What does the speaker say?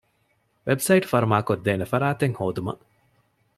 ވެބްސައިޓު ފަރުމާކޮށްދޭނެ ފަރާތެއް ހޯދުމަށް